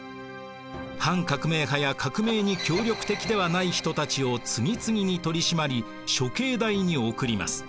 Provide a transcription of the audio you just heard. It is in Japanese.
反革命派や革命に協力的ではない人たちを次々に取り締まり処刑台に送ります。